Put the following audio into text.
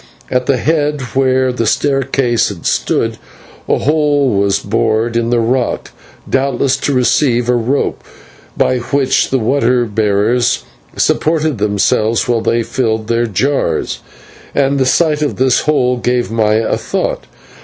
At the head of where this staircase had stood, a hole was bored in the rock, doubtless to receive a rope by which the water bearers supported themselves while they filled their jars, and the sight of this hole gave Maya a thought.